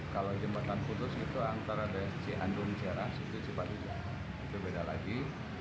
kalau jembatan putus itu antara cihandun jera cipatu itu beda lagi